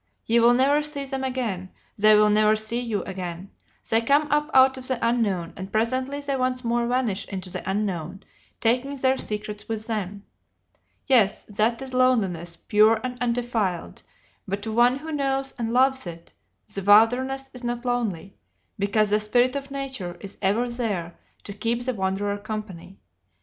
You will never see them again; they will never see you again; they come up out of the unknown, and presently they once more vanish into the unknown, taking their secrets with them. Yes, that is loneliness pure and undefiled; but to one who knows and loves it, the wilderness is not lonely, because the spirit of nature is ever there to keep the wanderer company.